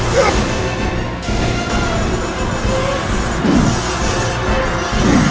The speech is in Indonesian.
dari apa kamu bisa turun